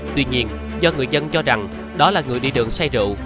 tuy nhiên do người dân cho rằng đó là người đi đường say rượu